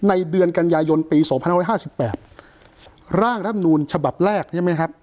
ในเดือนกันยายนปีสองพันห้าร้ายห้าสิบแปดร่างรัฐมนุนฉบับแรกใช่ไหมครับ